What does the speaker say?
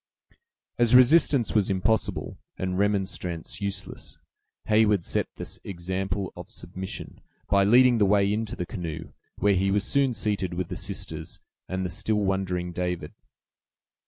As resistance was impossible, and remonstrance useless, Heyward set the example of submission, by leading the way into the canoe, where he was soon seated with the sisters and the still wondering David.